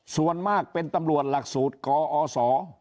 ส่วนมากเป็นตำรวจหลักสูตรกอศ